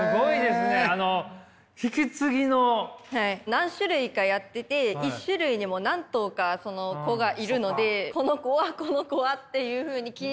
何種類かやってて１種類にも何頭か子がいるので「この子はこの子は」っていうふうに気になったことを全部。